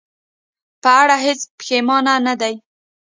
په اړه هېڅ پښېمانه نه ده.